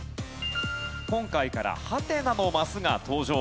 今回からハテナのマスが登場。